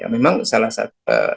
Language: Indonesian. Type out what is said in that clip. memang salah satu